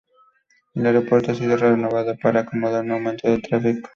El aeropuerto ha sido renovado para acomodar un aumento del tráfico.